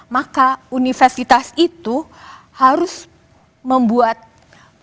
maka universitas itu harus membuat